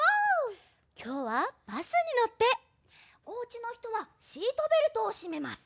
きょうは「バスにのって」！おうちのひとはシートベルトをしめます。